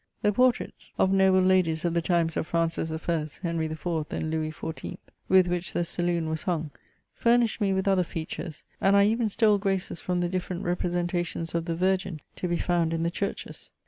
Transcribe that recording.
The portraits of noble ladies of the times of Francis I. Henry IV. and Louis XIV., with which the saloon was hung, furnished me with other features, luid I even stole graces from the different representations of thQ Virgin to be found in the churches.